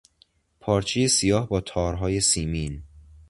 پارچهی سیاه با تارهای سیمین